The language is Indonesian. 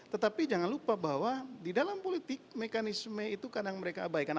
tetapi jangan lupa bahwa di dalam politik mekanisme itu kadang mereka abaikan